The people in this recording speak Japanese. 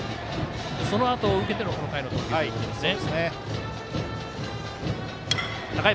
そのあとを受けてのこの回の投球ということですね。